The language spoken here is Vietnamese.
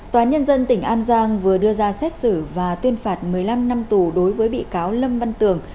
tòa án nhân dân tỉnh an giang vừa đưa ra xét xử và tuyên phạt một mươi năm năm tù đối với bị cáo lâm văn tường